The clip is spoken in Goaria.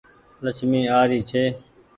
لڇمي آ ري ڇي۔